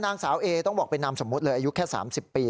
นางสาวเอต้องบอกเป็นนามสมมุติเลยอายุแค่๓๐ปี